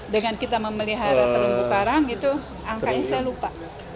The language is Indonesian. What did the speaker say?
dengan kita memelihara terumbu karang itu angkanya saya lupa